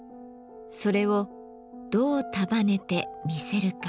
それをどう束ねて見せるか。